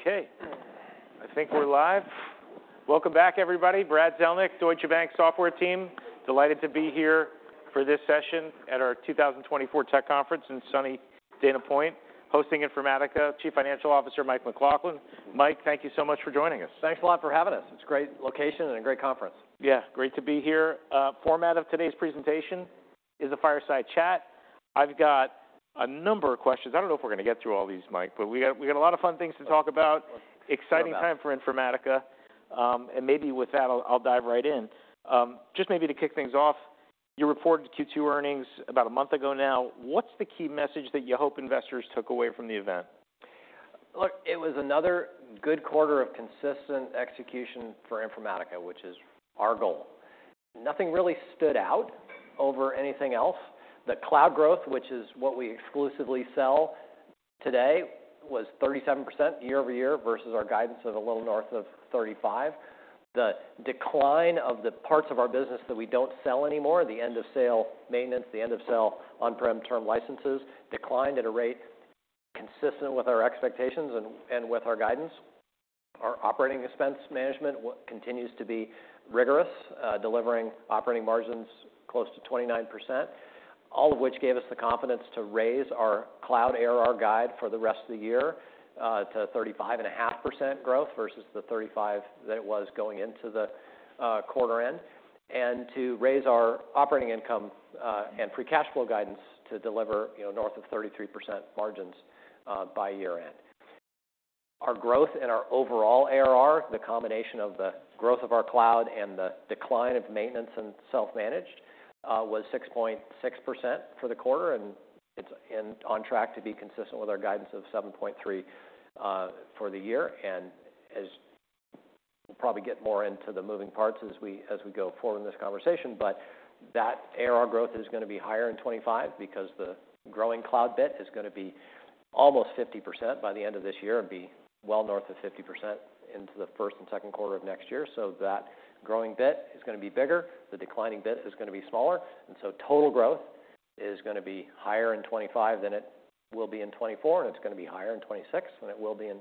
Okay, I think we're live. Welcome back, everybody. Brad Zelnick, Deutsche Bank Software Team. Delighted to be here for this session at our 2024 Tech Conference in sunny Dana Point, hosting Informatica Chief Financial Officer Mike McLaughlin. Mike, thank you so much for joining us. Thanks a lot for having us. It's a great location and a great conference. Yeah, great to be here. Format of today's presentation is a fireside chat. I've got a number of questions. I don't know if we're gonna get through all these, Mike, but we got a lot of fun things to talk about. Exciting time for Informatica. And maybe with that, I'll dive right in. Just maybe to kick things off, you reported Q2 earnings about a month ago now. What's the key message that you hope investors took away from the event? Look, it was another good quarter of consistent execution for Informatica, which is our goal. Nothing really stood out over anything else. The cloud growth, which is what we exclusively sell today, was 37% year over year, versus our guidance of a little north of 35%. The decline of the parts of our business that we don't sell anymore, the end-of-sale maintenance, the end-of-sale on-prem term licenses, declined at a rate consistent with our expectations and with our guidance. Our operating expense management continues to be rigorous, delivering operating margins close to 29%. All of which gave us the confidence to raise our cloud ARR guide for the rest of the year, to 35.5% growth, versus the 35% that it was going into the, quarter end, and to raise our operating income, and free cash flow guidance to deliver, you know, north of 33% margins, by year-end. Our growth and our overall ARR, the combination of the growth of our cloud and the decline of maintenance and self-managed, was 6.6% for the quarter, and it's on track to be consistent with our guidance of 7.3%, for the year. As we'll probably get more into the moving parts as we, as we go forward in this conversation, but that ARR growth is gonna be higher in 2025, because the growing cloud bit is gonna be almost 50% by the end of this year and be well north of 50% into the first and second quarter of next year. So that growing bit is gonna be bigger, the declining bit is gonna be smaller, and so total growth is gonna be higher in 2025 than it will be in 2024, and it's gonna be higher in 2026 than it will be in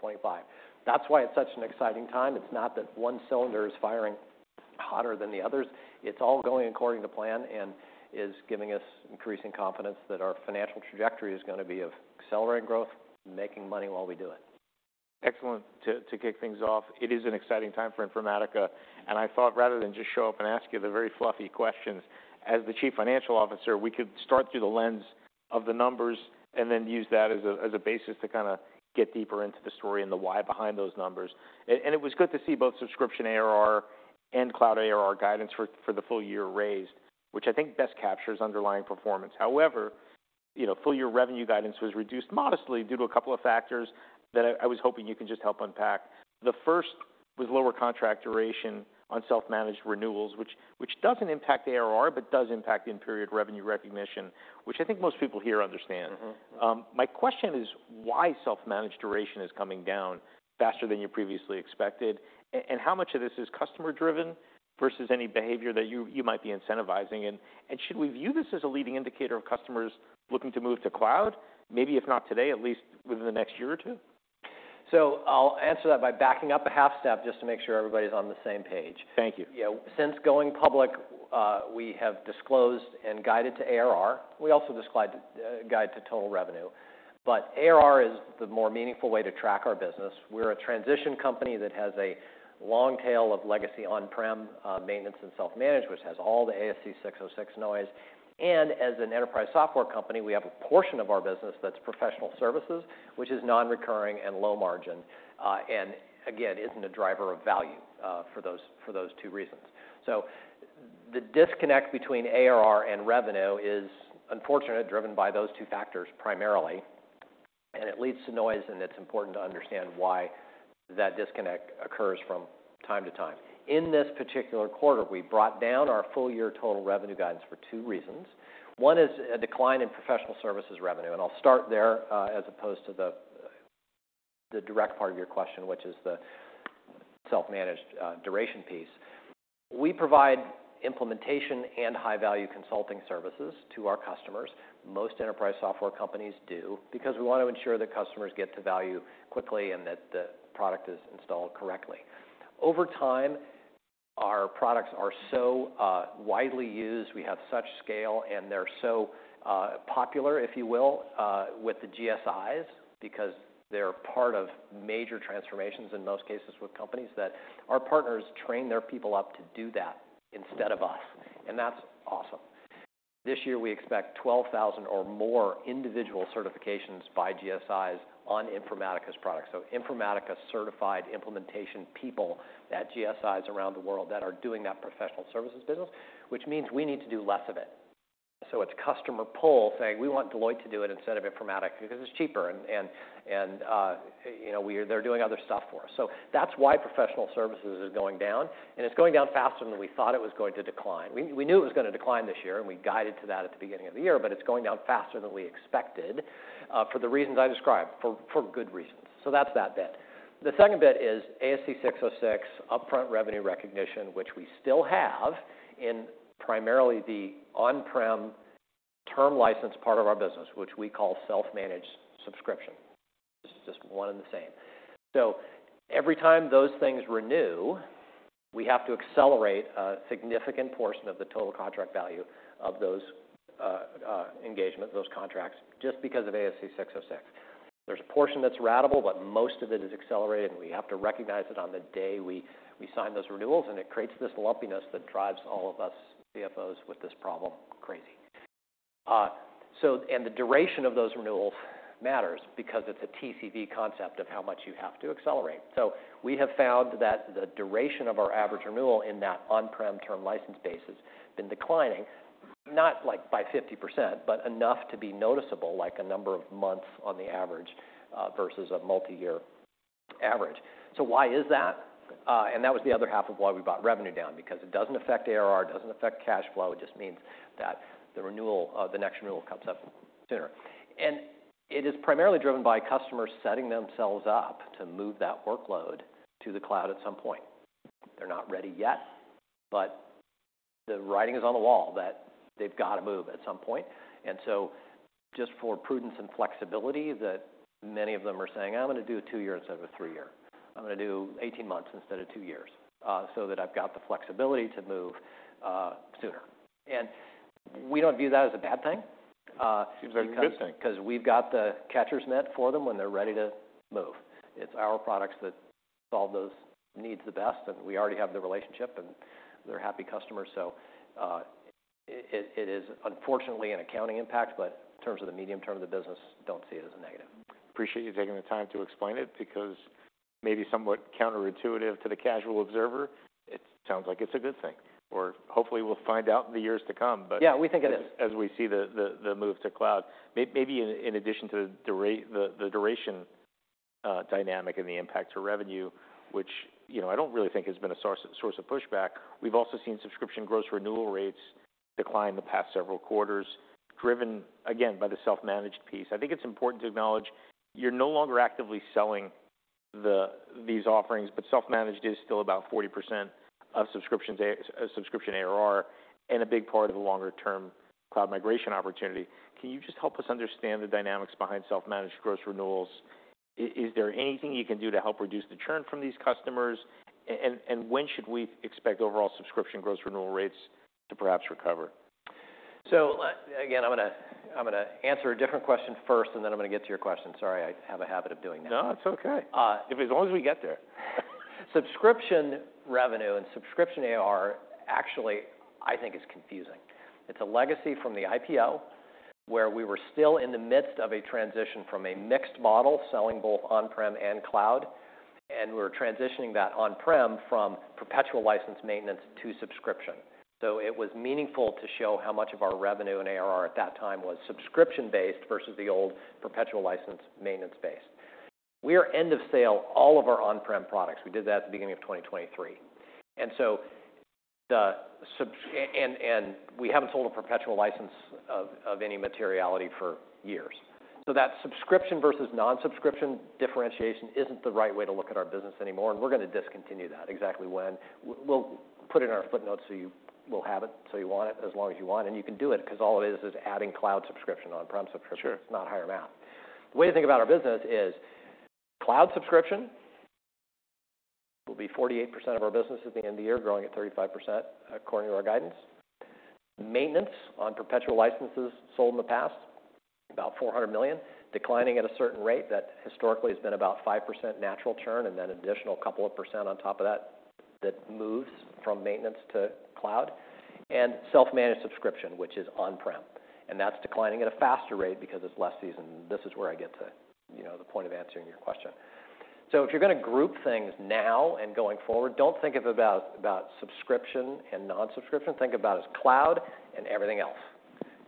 2025. That's why it's such an exciting time. It's not that one cylinder is firing hotter than the others. It's all going according to plan and is giving us increasing confidence that our financial trajectory is gonna be of accelerating growth, making money while we do it. Excellent to kick things off. It is an exciting time for Informatica, and I thought rather than just show up and ask you the very fluffy questions, as the Chief Financial Officer, we could start through the lens of the numbers and then use that as a basis to kinda get deeper into the story and the why behind those numbers, and it was good to see both subscription ARR and cloud ARR guidance for the full year raised, which I think best captures underlying performance. However, you know, full-year revenue guidance was reduced modestly due to a couple of factors that I was hoping you can just help unpack. The first was lower contract duration on self-managed renewals, which doesn't impact ARR, but does impact in-period revenue recognition, which I think most people here understand. My question is, why self-managed duration is coming down faster than you previously expected, and how much of this is customer driven versus any behavior that you might be incentivizing? Should we view this as a leading indicator of customers looking to move to cloud, maybe if not today, at least within the next year or two? So I'll answer that by backing up a half step, just to make sure everybody's on the same page. Thank you. Yeah. Since going public, we have disclosed and guided to ARR. We also disclose to guide to total revenue, but ARR is the more meaningful way to track our business. We're a transition company that has a long tail of legacy on-prem maintenance and self-managed, which has all the ASC 606 noise, and as an enterprise software company, we have a portion of our business that's professional services, which is non-recurring and low margin, and again, isn't a driver of value, for those, for those two reasons. So the disconnect between ARR and revenue is unfortunately driven by those two factors primarily, and it leads to noise, and it's important to understand why that disconnect occurs from time to time. In this particular quarter, we brought down our full-year total revenue guidance for two reasons. One is a decline in professional services revenue, and I'll start there, as opposed to the direct part of your question, which is the self-managed duration piece. We provide implementation and high-value consulting services to our customers. Most enterprise software companies do, because we want to ensure that customers get to value quickly and that the product is installed correctly. Over time, our products are so widely used, we have such scale, and they're so popular, if you will, with the GSIs, because they're part of major transformations, in most cases, with companies, that our partners train their people up to do that instead of us, and that's awesome. This year, we expect 12,000 or more individual certifications by GSIs on Informatica's products, so Informatica-certified implementation people at GSIs around the world that are doing that professional services business, which means we need to do less of it. So it's customer pull, saying: "We want Deloitte to do it instead of Informatica, because it's cheaper, and you know, they're doing other stuff for us." So that's why professional services is going down, and it's going down faster than we thought it was going to decline. We knew it was gonna decline this year, and we guided to that at the beginning of the year, but it's going down faster than we expected, for the reasons I described, for good reasons. So that's that bit. The second bit is ASC 606 upfront revenue recognition, which we still have in primarily the on-prem term license part of our business, which we call self-managed subscription. This is just one and the same. So every time those things renew, we have to accelerate a significant portion of the total contract value of those engagements, those contracts, just because of ASC 606. There's a portion that's ratable, but most of it is accelerated, and we have to recognize it on the day we sign those renewals, and it creates this lumpiness that drives all of us CFOs with this problem crazy. And the duration of those renewals matters because it's a TCV concept of how much you have to accelerate. So we have found that the duration of our average renewal in that on-prem term license base has been declining, not like by 50%, but enough to be noticeable, like a number of months on the average, versus a multi-year average. So why is that? And that was the other half of why we brought revenue down, because it doesn't affect ARR, it doesn't affect cash flow. It just means that the renewal, the next renewal comes up sooner. It is primarily driven by customers setting themselves up to move that workload to the cloud at some point. They're not ready yet, but the writing is on the wall that they've got to move at some point. And so just for prudence and flexibility, that many of them are saying, "I'm gonna do a two year instead of a three year. I'm gonna do eighteen months instead of two years, so that I've got the flexibility to move sooner." and we don't view that as a bad thing- Seems like a good thing. 'Cause we've got the catcher's net for them when they're ready to move. It's our products that solve those needs the best, and we already have the relationship, and they're happy customers. So, it is unfortunately an accounting impact, but in terms of the medium term of the business, don't see it as a negative. Appreciate you taking the time to explain it, because maybe somewhat counterintuitive to the casual observer, it sounds like it's a good thing. Or hopefully we'll find out in the years to come. But- Yeah, we think it is. As we see the move to cloud. Maybe in addition to the duration dynamic and the impact to revenue, which, you know, I don't really think has been a source of pushback, we've also seen subscription gross renewal rates decline the past several quarters, driven again by the self-managed piece. I think it's important to acknowledge you're no longer actively selling these offerings, but self-managed is still about 40% of subscriptions, subscription ARR, and a big part of the longer term cloud migration opportunity. Can you just help us understand the dynamics behind self-managed gross renewals? Is there anything you can do to help reduce the churn from these customers and when should we expect overall subscription gross renewal rates to perhaps recover? So, again, I'm gonna answer a different question first, and then I'm gonna get to your question. Sorry, I have a habit of doing that. No, it's okay. As long as we get there. Subscription revenue and subscription ARR actually, I think, is confusing. It's a legacy from the IPO, where we were still in the midst of a transition from a mixed model, selling both on-prem and cloud, and we were transitioning that on-prem from perpetual license maintenance to subscription. So it was meaningful to show how much of our revenue and ARR at that time was subscription-based versus the old perpetual license maintenance base. We are end of sale, all of our on-prem products. We did that at the beginning of 2023, and so we haven't sold a perpetual license of any materiality for years. So that subscription versus non-subscription differentiation isn't the right way to look at our business anymore, and we're gonna discontinue that. Exactly when? We'll put it in our footnotes, so you will have it, so you want it as long as you want, and you can do it because all it is, is adding cloud subscription, on-prem subscription. It's not higher math. The way to think about our business is cloud subscription will be 48% of our business at the end of the year, growing at 35%, according to our guidance. Maintenance on perpetual licenses sold in the past, about $400 million, declining at a certain rate that historically has been about 5% natural churn, and then additional couple of percent on top of that, that moves from maintenance to cloud and self-managed subscription, which is on-prem, and that's declining at a faster rate because it's less seasoned. This is where I get to, you know, the point of answering your question. So if you're gonna group things now and going forward, don't think of about subscription and non-subscription. Think about it as cloud and everything else.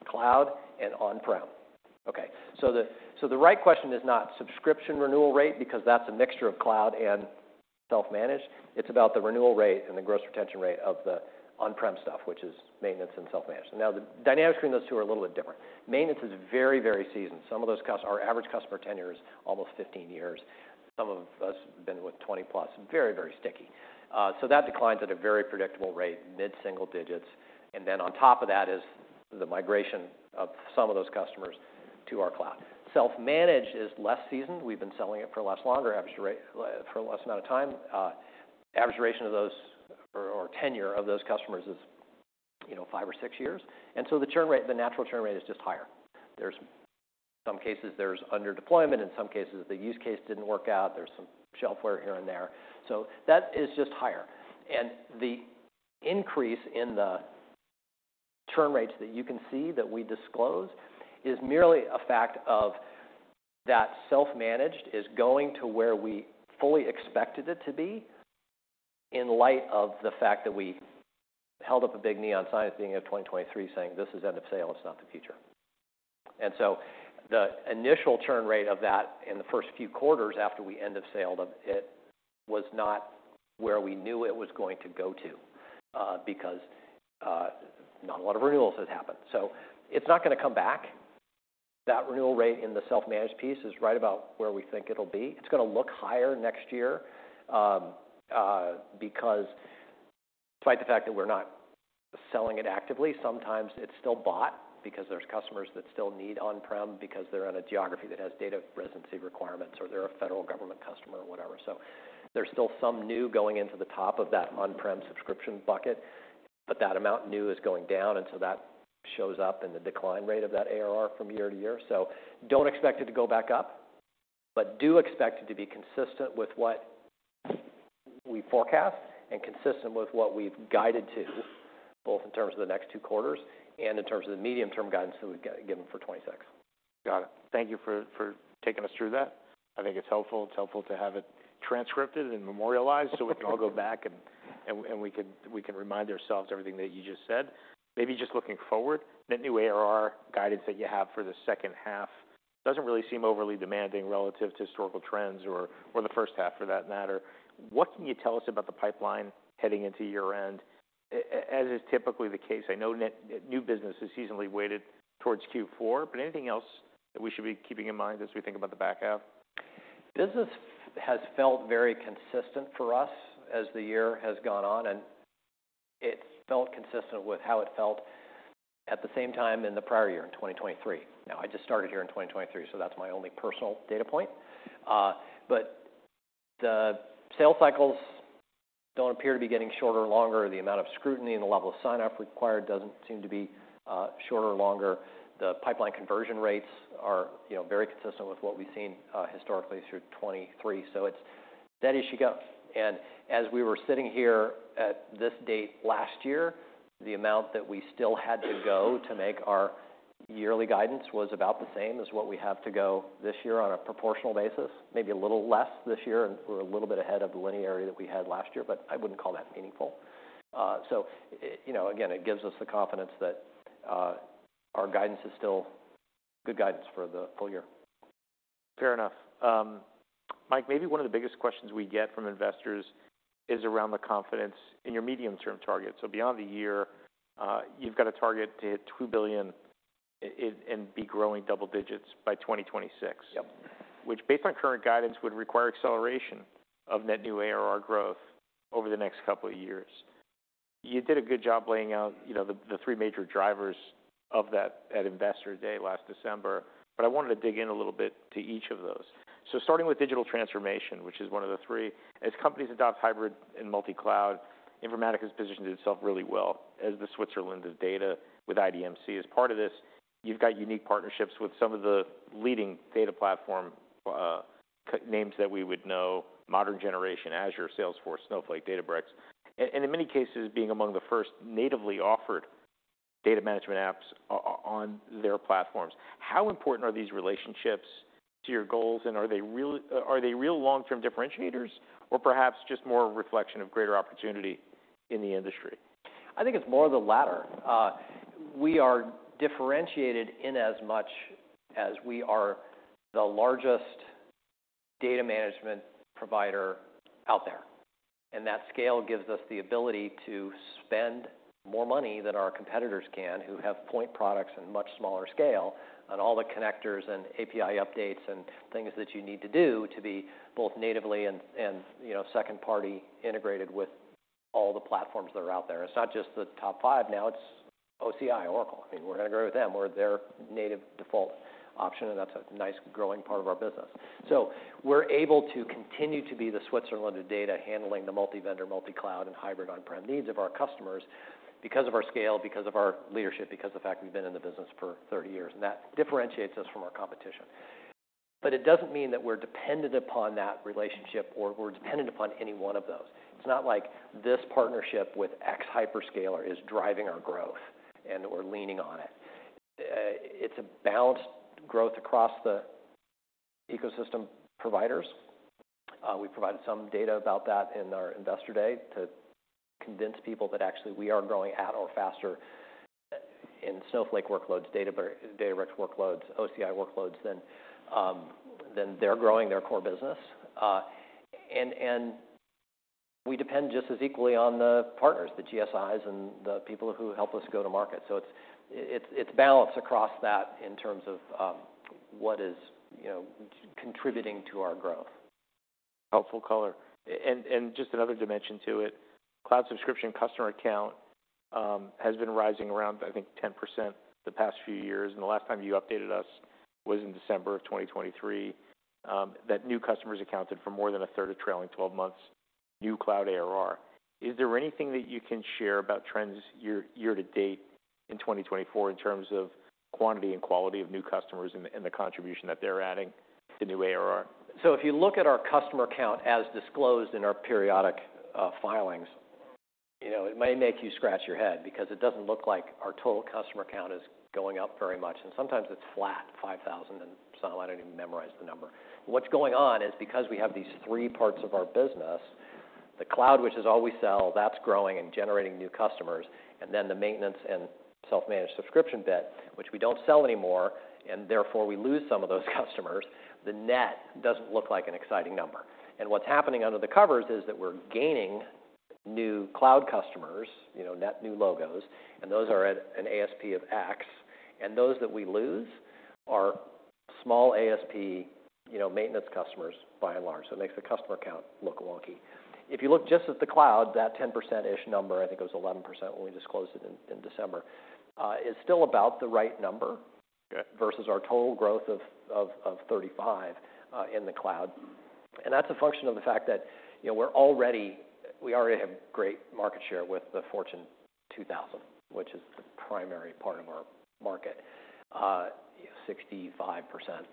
Cloud and on-prem. Okay, so the right question is not subscription renewal rate, because that's a mixture of cloud and self-managed. It's about the renewal rate and the gross retention rate of the on-prem stuff, which is maintenance and self-managed. Now, the dynamics between those two are a little bit different. Maintenance is very, very seasoned. Our average customer tenure is almost 15 years. Some of us have been with 20 plus. Very, very sticky, so that declines at a very predictable rate, mid-single digits, and then on top of that is the migration of some of those customers to our cloud. Self-managed is less seasoned. We've been selling it for a less longer average rate, for a less amount of time. Average duration of those, or tenure of those customers is, you know, 5 or 6 years. And so the churn rate, the natural churn rate is just higher. There's some cases, there's under deployment, in some cases, the use case didn't work out. There's some shelf wear here and there. So that is just higher. And the increase in the churn rates that you can see, that we disclose, is merely a fact of that self-managed is going to where we fully expected it to be, in light of the fact that we held up a big neon sign at the beginning of 2023 saying, "This is end of sale. It's not the future." So the initial churn rate of that in the first few quarters after we end of saleed them, it was not where we knew it was going to go to, because, not a lot of renewals had happened. So it's not gonna come back. That renewal rate in the self-managed piece is right about where we think it'll be. It's gonna look higher next year, because despite the fact that we're not selling it actively, sometimes it's still bought because there's customers that still need on-prem, because they're in a geography that has data residency requirements, or they're a federal government customer or whatever. So there's still some new going into the top of that on-prem subscription bucket, but that amount new is going down, and so that shows up in the decline rate of that ARR from year to year. So don't expect it to go back up, but do expect it to be consistent with what we forecast and consistent with what we've guided to, both in terms of the next two quarters and in terms of the medium-term guidance that we've given for 2026. Got it. Thank you for taking us through that. I think it's helpful. It's helpful to have it transcribed and memorialized, so we can all go back and we can remind ourselves everything that you just said. Maybe just looking forward, that new ARR guidance that you have for the second half doesn't really seem overly demanding relative to historical trends or the first half for that matter. What can you tell us about the pipeline heading into year-end? As is typically the case, I know net new business is seasonally weighted towards Q4, but anything else that we should be keeping in mind as we think about the back half? Business has felt very consistent for us as the year has gone on, and it felt consistent with how it felt at the same time in the prior year, in 2023. Now, I just started here in 2023, so that's my only personal data point, but the sales cycles don't appear to be getting shorter or longer. The amount of scrutiny and the level of sign-up required doesn't seem to be shorter or longer. The pipeline conversion rates are, you know, very consistent with what we've seen historically through 2023, so it's steady as she goes. And as we were sitting here at this date last year, the amount that we still had to go to make our yearly guidance was about the same as what we have to go this year on a proportional basis, maybe a little less this year, and we're a little bit ahead of the linearity that we had last year, but I wouldn't call that meaningful. So, you know, again, it gives us the confidence that our guidance is still good guidance for the full year. Fair enough. Mike, maybe one of the biggest questions we get from investors is around the confidence in your medium-term target. So beyond the year, you've got a target to hit $2 billion and be growing double digits by 2026. Yep. Which, based on current guidance, would require acceleration of net new ARR growth over the next couple of years. You did a good job laying out, you know, the three major drivers of that at Investor Day last December, but I wanted to dig in a little bit to each of those. So starting with digital transformation, which is one of the three, as companies adopt hybrid and multi-cloud, Informatica has positioned itself really well as the Switzerland of data with IDMC. As part of this, you've got unique partnerships with some of the leading data platform names that we would know, modern generation, Azure, Salesforce, Snowflake, Databricks, and in many cases, being among the first natively offered data management apps on their platforms. How important are these relationships to your goals, and are they real long-term differentiators, or perhaps just more a reflection of greater opportunity in the industry? I think it's more of the latter. We are differentiated in as much as we are the largest data management provider out there, and that scale gives us the ability to spend more money than our competitors can, who have point products in much smaller scale, on all the connectors and API updates and things that you need to do to be both natively and you know, second-party integrated with all the platforms that are out there. It's not just the top five now, it's OCI, Oracle, and we're gonna grow with them. We're their native default option, and that's a nice growing part of our business. So we're able to continue to be the Switzerland of data, handling the multi-vendor, multi-cloud, and hybrid on-prem needs of our customers because of our scale, because of our leadership, because of the fact we've been in the business for 30 years, and that differentiates us from our competition. But it doesn't mean that we're dependent upon that relationship or we're dependent upon any one of those. It's not like this partnership with X hyperscaler is driving our growth, and we're leaning on it. It's a balanced growth across the ecosystem providers. We provided some data about that in our Investor Day to convince people that actually we are growing at or faster in Snowflake workloads, Databricks workloads, OCI workloads, than they're growing their core business. We depend just as equally on the partners, the GSIs and the people who help us go to market, so it's balanced across that in terms of what is, you know, contributing to our growth. Helpful color. And just another dimension to it, cloud subscription customer account has been rising around, I think, 10% the past few years, and the last time you updated us was in December of 2023, that new customers accounted for more than a third of trailing twelve months new cloud ARR. Is there anything that you can share about trends year to date in 2024, in terms of quantity and quality of new customers and the contribution that they're adding to new ARR? So if you look at our customer count as disclosed in our periodic filings, you know, it may make you scratch your head because it doesn't look like our total customer count is going up very much, and sometimes it's flat, five thousand and some. I don't even memorize the number. What's going on is because we have these three parts of our business, the cloud, which is all we sell, that's growing and generating new customers, and then the maintenance and self-managed subscription bit, which we don't sell anymore, and therefore we lose some of those customers, the net doesn't look like an exciting number. What's happening under the covers is that we're gaining new cloud customers, you know, net new logos, and those are at an ASP of X, and those that we lose are small ASP, you know, maintenance customers, by and large. So it makes the customer count look wonky. If you look just at the cloud, that 10%-ish number, I think it was 11% when we disclosed it in December, is still about the right number versus our total growth of 35% in the cloud. That's a function of the fact that, you know, we already have great market share with the Fortune 2000, which is the primary part of our market. 65%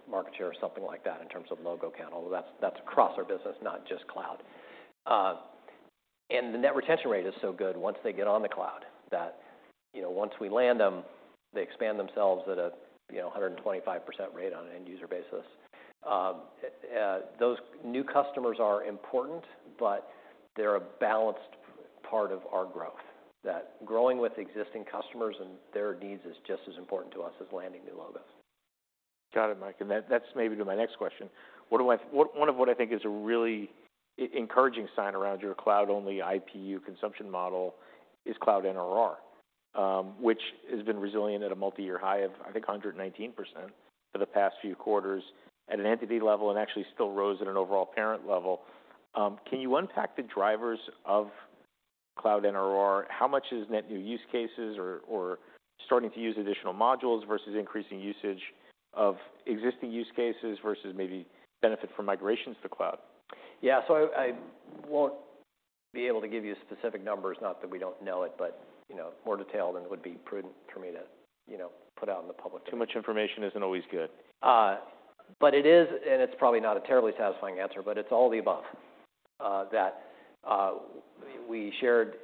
market share or something like that, in terms of logo count, although that's across our business, not just cloud. And the net retention rate is so good once they get on the cloud, that, you know, once we land them, they expand themselves at a, you know, 125% rate on an end user basis. Those new customers are important, but they're a balanced part of our growth, that growing with existing customers and their needs is just as important to us as landing new logos. Got it, Mike, and that, that's maybe to my next question. One of what I think is a really encouraging sign around your cloud-only IPU consumption model is cloud NRR, which has been resilient at a multiyear high of, I think, 119% for the past few quarters at an entity level, and actually still rose at an overall parent level. Can you unpack the drivers of cloud NRR? How much is net new use cases or starting to use additional modules versus increasing usage of existing use cases versus maybe benefit from migrations to cloud? Yeah, so I won't be able to give you specific numbers, not that we don't know it, but, you know, more detailed than it would be prudent for me to, you know, put out in the public. Too much information isn't always good. But it is, and it's probably not a terribly satisfying answer, but it's all the above. That we shared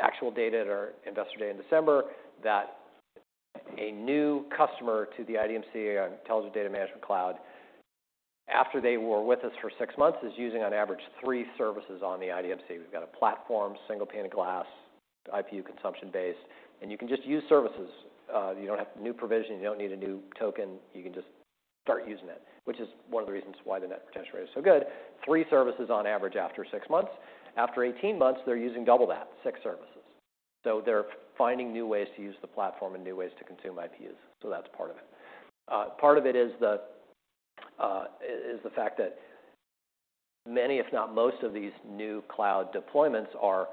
actual data at our investor day in December, that a new customer to the IDMC, our Intelligent Data Management Cloud, after they were with us for six months, is using, on average, three services on the IDMC. We've got a platform, single pane of glass, IPU consumption-based, and you can just use services. You don't have to provision, you don't need a new token. You can just start using it, which is one of the reasons why the net retention rate is so good. Three services on average after six months. After 18 months, they're using double that, six services. So they're finding new ways to use the platform and new ways to consume IPUs, so that's part of it. Part of it is the fact that many, if not most, of these new cloud deployments are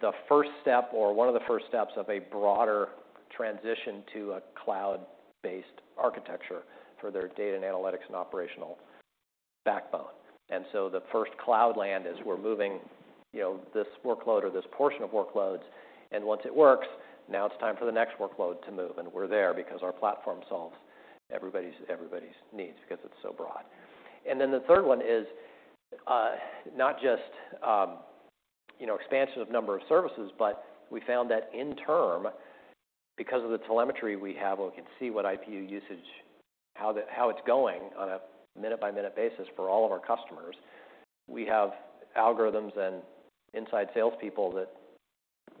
the first step or one of the first steps of a broader transition to a cloud-based architecture for their data and analytics and operational backbone, and so the first cloud landing is we're moving, you know, this workload or this portion of workloads, and once it works, now it's time for the next workload to move, and we're there because our platform solves everybody's needs because it's so broad. Then the third one is not just, you know, expansion of number of services, but we found that in turn, because of the telemetry we have, we can see what IPU usage, how it's going on a minute-by-minute basis for all of our customers. We have algorithms and inside salespeople that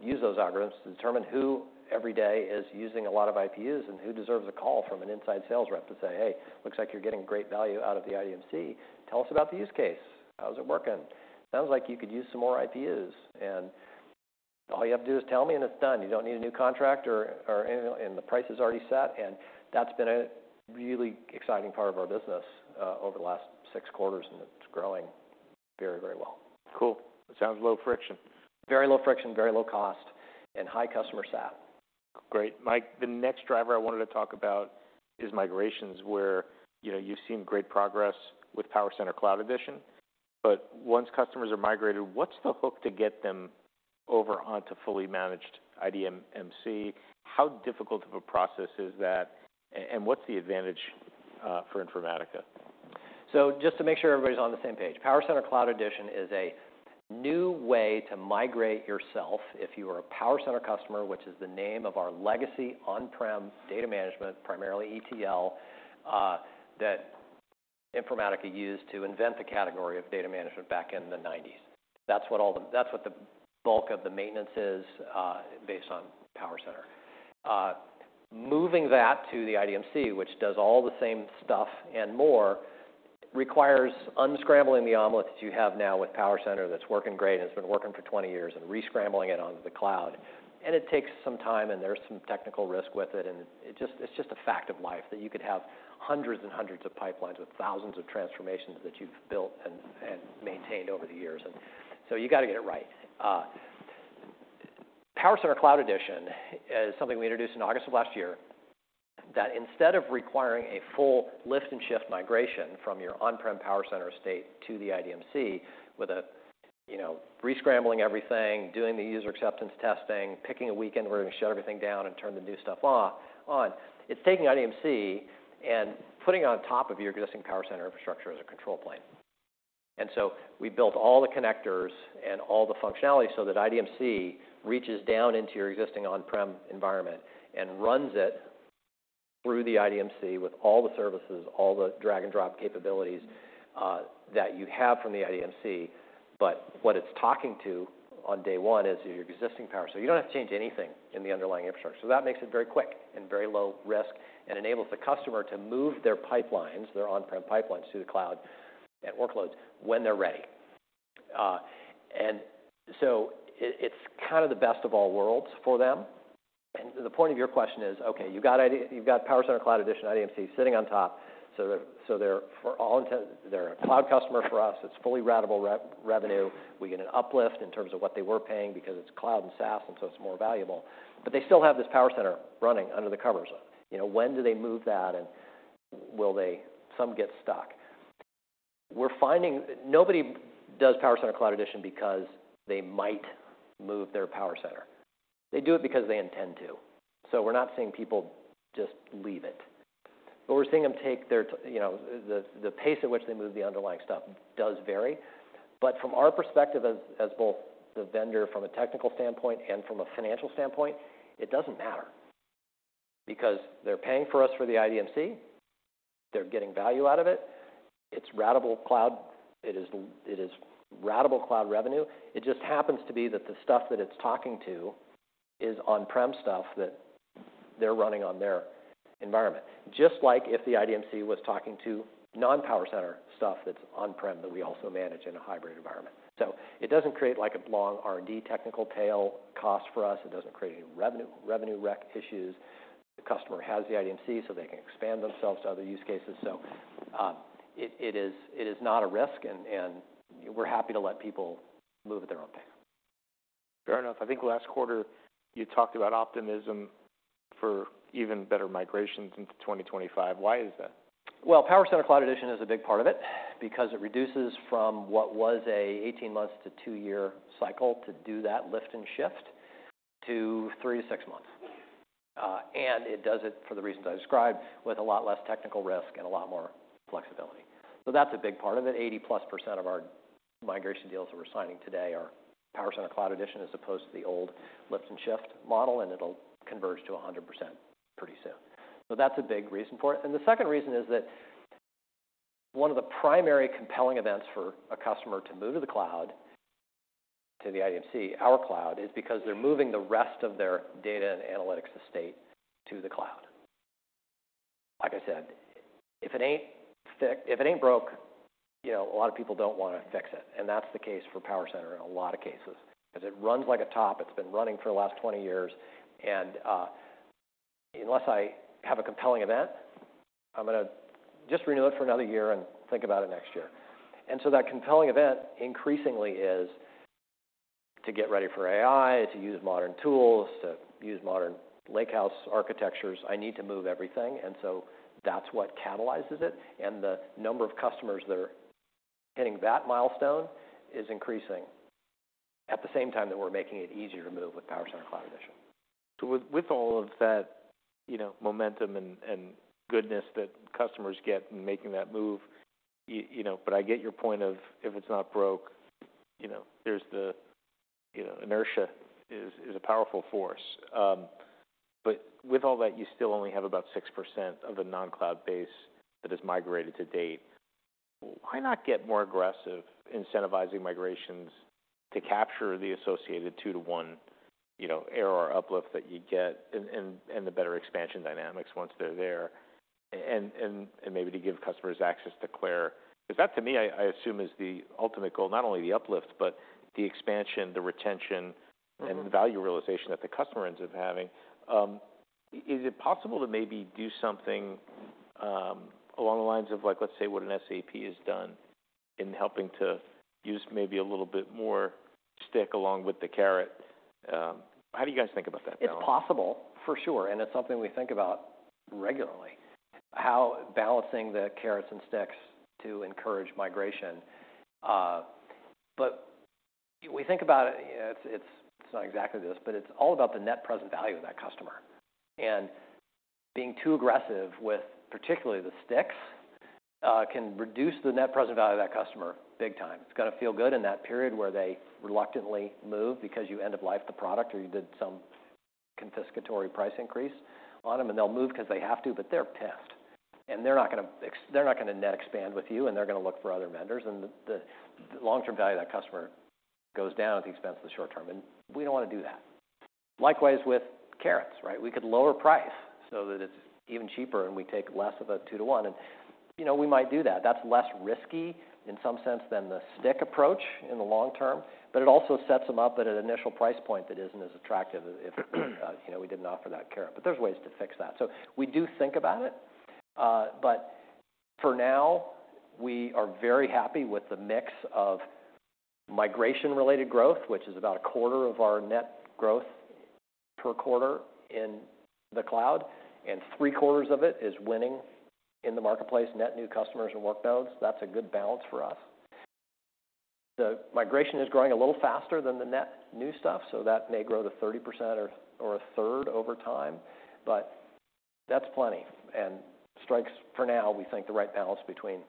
use those algorithms to determine who, every day, is using a lot of IPUs and who deserves a call from an inside sales rep to say, "Hey, looks like you're getting great value out of the IDMC. Tell us about the use case. How's it working? Sounds like you could use some more IPUs, and all you have to do is tell me, and it's done. You don't need a new contract or, or... And the price is already set." And that's been a really exciting part of our business over the last six quarters, and it's growing very, very well. Cool. It sounds low friction. Very low friction, very low cost, and high customer sat. Great. Mike, the next driver I wanted to talk about is migrations, where, you know, you've seen great progress with PowerCenter Cloud Edition, but once customers are migrated, what's the hook to get them over onto fully managed IDMC? How difficult of a process is that, and what's the advantage for Informatica? So just to make sure everybody's on the same page, PowerCenter Cloud Edition is a new way to migrate yourself if you are a PowerCenter customer, which is the name of our legacy on-prem data management, primarily ETL, that Informatica used to invent the category of data management back in the nineties. That's what the bulk of the maintenance is based on PowerCenter. Moving that to the IDMC, which does all the same stuff and more, requires unscrambling the omelet that you have now with PowerCenter that's working great, and it's been working for 20 years, and re-scrambling it onto the cloud. It takes some time, and there's some technical risk with it, and it just, it's just a fact of life that you could have hundreds and hundreds of pipelines with thousands of transformations that you've built and maintained over the years. So you've got to get it right. PowerCenter Cloud Edition is something we introduced in August of last year, that instead of requiring a full lift-and-shift migration from your on-prem PowerCenter estate to the IDMC, with a, you know, re-scrambling everything, doing the user acceptance testing, picking a weekend where we're going to shut everything down and turn the new stuff off-on, it's taking IDMC and putting it on top of your existing PowerCenter infrastructure as a control plane. And so we built all the connectors and all the functionality so that IDMC reaches down into your existing on-prem environment and runs it through the IDMC with all the services, all the drag-and-drop capabilities that you have from the IDMC. But what it's talking to on day one is your existing PowerCenter. So you don't have to change anything in the underlying infrastructure. So that makes it very quick and very low risk and enables the customer to move their pipelines, their on-prem pipelines, to the cloud and workloads when they're ready, and so it, it's kind of the best of all worlds for them. And the point of your question is, okay, you've got PowerCenter Cloud Edition IDMC sitting on top, so that, so they're, for all intent, they're a cloud customer for us, it's fully ratable revenue. We get an uplift in terms of what they were paying because it's cloud and SaaS, and so it's more valuable. But they still have this PowerCenter running under the covers. You know, when do they move that, and will they? Some get stuck. We're finding nobody does PowerCenter Cloud Edition because they might move their PowerCenter. They do it because they intend to. So we're not seeing people just leave it, but we're seeing them take their, you know, the pace at which they move the underlying stuff does vary. But from our perspective as both the vendor from a technical standpoint and from a financial standpoint, it doesn't matter. Because they're paying for us for the IDMC, they're getting value out of it. It's ratable cloud. It is, it is ratable cloud revenue. It just happens to be that the stuff that it's talking to is on-prem stuff that they're running on their environment, just like if the IDMC was talking to non-PowerCenter stuff that's on-prem, that we also manage in a hybrid environment. So it doesn't create like a long R&D technical tail cost for us. It doesn't create any revenue, revenue rec issues. The customer has the IDMC, so they can expand themselves to other use cases. So it is not a risk, and we're happy to let people move at their own pace. Fair enough. I think last quarter you talked about optimism for even better migrations into twenty twenty-five. Why is that? PowerCenter Cloud Edition is a big part of it because it reduces from what was a 18-month to 2-year cycle to do that lift and shift, to 3-6 months, and it does it for the reasons I described, with a lot less technical risk and a lot more flexibility. That's a big part of it. 80+% of our migration deals that we're signing today are PowerCenter Cloud Edition, as opposed to the old lift and shift model, and it'll converge to 100% pretty soon. That's a big reason for it. The second reason is that one of the primary compelling events for a customer to move to the cloud, to the IDMC, our cloud, is because they're moving the rest of their data and analytics estate to the cloud. Like I said, if it ain't fixed, if it ain't broke, you know, a lot of people don't want to fix it, and that's the case for PowerCenter in a lot of cases. Because it runs like a top, it's been running for the last twenty years, and unless I have a compelling event, I'm going to just renew it for another year and think about it next year. So that compelling event increasingly is to get ready for AI, to use modern tools, to use modern lake house architectures. I need to move everything, and so that's what catalyzes it. And the number of customers that are hitting that milestone is increasing at the same time that we're making it easier to move with PowerCenter Cloud Edition. So with all of that, you know, momentum and goodness that customers get in making that move, you know, but I get your point of if it's not broke, you know, there's the... You know, inertia is a powerful force. But with all that, you still only have about 6% of the non-cloud base that has migrated to date. Why not get more aggressive, incentivizing migrations to capture the associated two-to-one, you know, ARR or uplift that you'd get and the better expansion dynamics once they're there, and maybe to give customers access to CLAIRE? Because that, to me, I assume, is the ultimate goal, not only the uplift, but the expansion, the retention and the value realization that the customer ends up having. Is it possible to maybe do something, along the lines of like, let's say, what SAP has done in helping to use maybe a little bit more stick along with the carrot? How do you guys think about that now? It's possible, for sure, and it's something we think about regularly, how balancing the carrots and sticks to encourage migration. But we think about it, it's not exactly this, but it's all about the net present value of that customer. And being too aggressive with particularly the sticks can reduce the net present value of that customer big time. It's going to feel good in that period where they reluctantly move because you end-of-life the product, or you did some confiscatory price increase on them, and they'll move because they have to, but they're pissed, and they're not going to net expand with you, and they're going to look for other vendors. And the long-term value of that customer goes down at the expense of the short term, and we don't want to do that. Likewise, with carrots, right? We could lower price so that it's even cheaper, and we take less of a two to one. And, you know, we might do that. That's less risky in some sense than the stick approach in the long term, but it also sets them up at an initial price point that isn't as attractive if, you know, we didn't offer that carrot. But there's ways to fix that. So we do think about it, but for now, we are very happy with the mix of migration-related growth, which is about a quarter of our net growth per quarter in the cloud, and three-quarters of it is winning in the marketplace, net new customers and workloads. That's a good balance for us. The migration is growing a little faster than the net new stuff, so that may grow to 30% or, or a third over time, but that's plenty, and strikes, for now, we think, the right balance between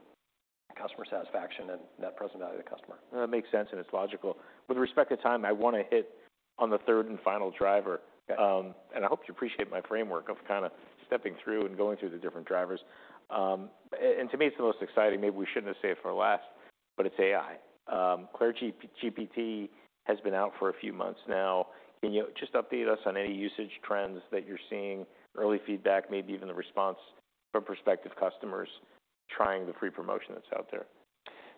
customer satisfaction and net present value of the customer. That makes sense, and it's logical. With respect to time, I want to hit on the third and final driver. Okay. I hope you appreciate my framework of kind of stepping through and going through the different drivers. To me, it's the most exciting. Maybe we shouldn't have saved it for last, but it's AI. CLAIRE GPT has been out for a few months now. Can you just update us on any usage trends that you're seeing, early feedback, maybe even the response from prospective customers trying the free promotion that's out there?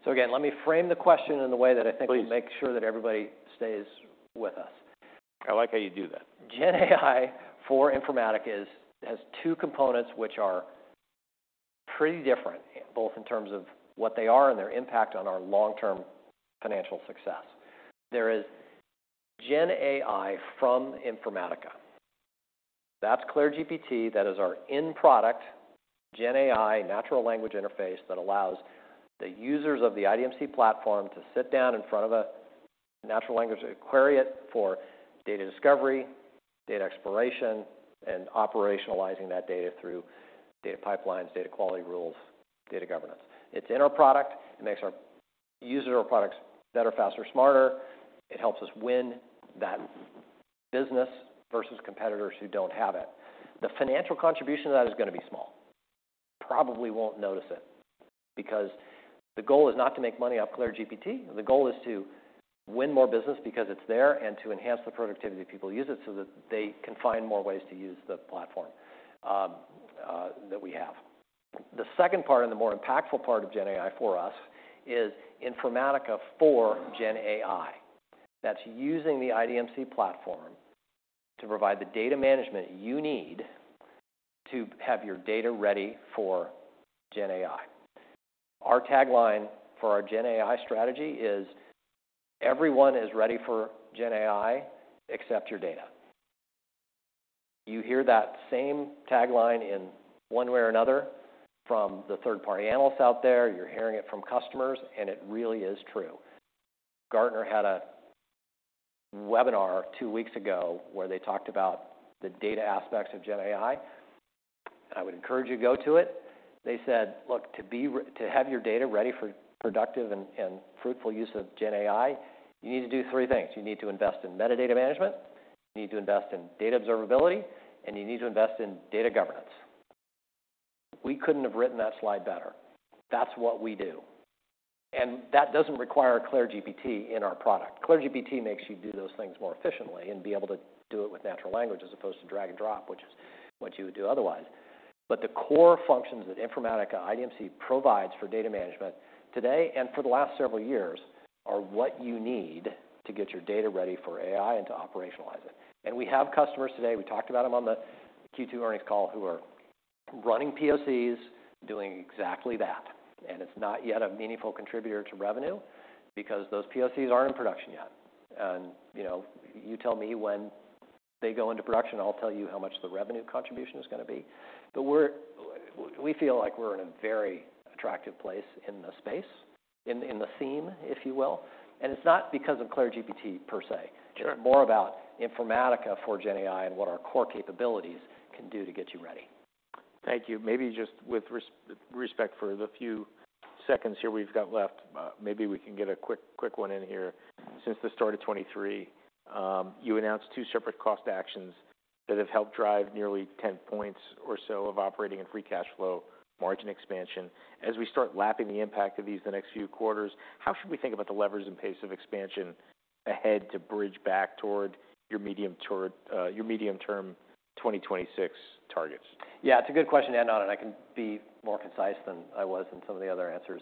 So again, let me frame the question in the way that I think- Please. will make sure that everybody stays with us. I like how you do that. Gen AI for Informatica is, has two components which are pretty different, both in terms of what they are and their impact on our long-term financial success. There is Gen AI from Informatica. That's CLAIRE GPT. That is our in-product Gen AI natural language interface that allows the users of the IDMC platform to sit down in front of a natural language query it for data discovery, data exploration, and operationalizing that data through data pipelines, data quality rules, data governance. It's in our product. It makes our users or products better, faster, smarter. It helps us win that business versus competitors who don't have it. The financial contribution to that is gonna be small. Probably won't notice it, because the goal is not to make money off CLAIRE GPT. The goal is to win more business because it's there, and to enhance the productivity of people who use it, so that they can find more ways to use the platform, that we have. The second part, and the more impactful part of Gen AI for us, is Informatica for Gen AI. That's using the IDMC platform to provide the data management you need to have your data ready for Gen AI. Our tagline for our Gen AI strategy is: "Everyone is ready for Gen AI, except your data." You hear that same tagline in one way or another from the third-party analysts out there, you're hearing it from customers, and it really is true. Gartner had a webinar two weeks ago, where they talked about the data aspects of Gen AI. I would encourage you to go to it. They said, "Look, to have your data ready for productive and fruitful use of Gen AI, you need to do three things: You need to invest in metadata management, you need to invest in data observability, and you need to invest in data governance." We couldn't have written that slide better. That's what we do, and that doesn't require CLAIRE GPT in our product. CLAIRE GPT makes you do those things more efficiently, and be able to do it with natural language, as opposed to drag and drop, which is what you would do otherwise. But the core functions that Informatica IDMC provides for data management today, and for the last several years, are what you need to get your data ready for AI and to operationalize it. We have customers today. We talked about them on the Q2 earnings call, who are running POCs, doing exactly that, and it's not yet a meaningful contributor to revenue because those POCs aren't in production yet. You know, you tell me when they go into production, I'll tell you how much the revenue contribution is gonna be. We feel like we're in a very attractive place in the space, in the theme, if you will. It's not because of CLAIRE GPT, per se more about Informatica for Gen AI and what our core capabilities can do to get you ready. Thank you. Maybe just with respect for the few seconds here we've got left, maybe we can get a quick one in here. Since the start of 2023, you announced two separate cost actions that have helped drive nearly 10 points or so of operating and free cash flow margin expansion. As we start lapping the impact of these the next few quarters, how should we think about the levers and pace of expansion ahead to bridge back toward your medium-term 2026 targets? Yeah, it's a good question, Ed, and I can be more concise than I was in some of the other answers,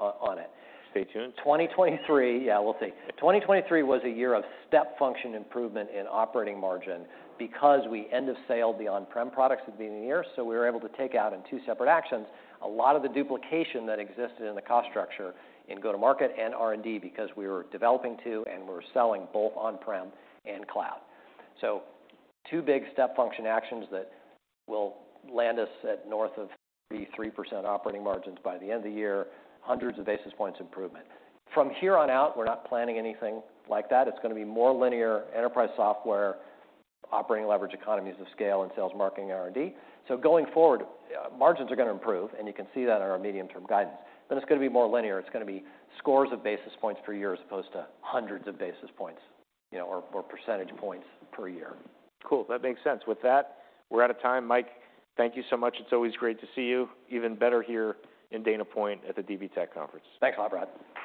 on it. Stay tuned. 2023.Yeah, we'll see. 2023 was a year of step function improvement in operating margin because we end-of-sale'd the on-prem products at the beginning of the year, so we were able to take out, in two separate actions, a lot of the duplication that existed in the cost structure in go-to-market and R&D, because we were developing to and we were selling both on-prem and cloud. So two big step function actions that will land us at north of 3% operating margins by the end of the year, hundreds of basis points improvement. From here on out, we're not planning anything like that. It's gonna be more linear enterprise software, operating leverage economies of scale and sales, marketing, R&D. So going forward, margins are gonna improve, and you can see that in our medium-term guidance, but it's gonna be more linear.It's gonna be scores of basis points per year, as opposed to hundreds of basis points, you know, or, or percentage points per year. Cool, that makes sense. With that, we're out of time. Mike, thank you so much. It's always great to see you, even better here in Dana Point at the DB Tech conference. Thanks a lot, Brad.